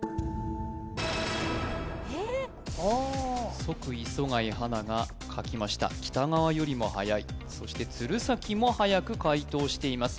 即磯貝初奈が書きました北川よりもはやいそして鶴崎もはやく解答しています